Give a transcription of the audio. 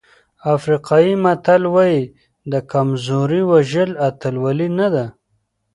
افریقایي متل وایي د کمزوري وژل اتلولي نه ده.